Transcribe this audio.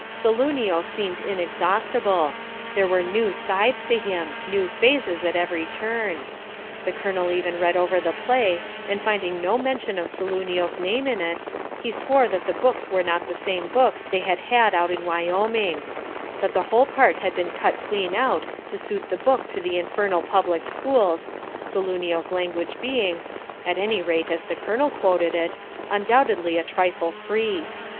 Saloonio seemed inexhaustible. There were new sides to him new phases at every turn. The Colonel even read over the play, and finding no mention of Saloonio's name in it, he swore that the books were not the same books they had had out in Wyoming; that the whole part had been cut clean out to suit the book to the infernal public schools, Saloonio's language being at any rate, as the Colonel quoted it undoubtedly a trifle free.